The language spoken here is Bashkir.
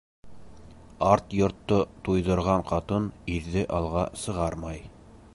Арт йортто туйҙырған ҡатын ирҙе алға сығармай.